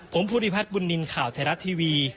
ผมพุทธิพัฒน์บุญดินข่าวไทยรัฐทีวี